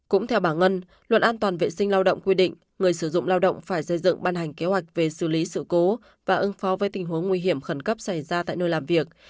cũng theo bà ngân luật an toàn vệ sinh lao động quy định người sử dụng lao động phải xây dựng ban hành kế hoạch về xử lý sự cố và ứng phó với tình huống nguy hiểm khẩn cấp xảy ra tại nơi làm việc